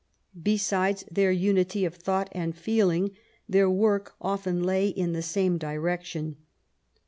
Besides their unity of thought and feeling, their work often lay in the same direction.